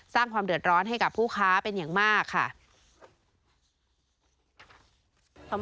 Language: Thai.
สร้างความเดือดร้อนให้กับผู้ค้าเป็นอย่างมากค่ะ